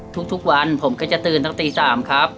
ทุกวันผมก็จะตื่นตั้งตี๓ครับ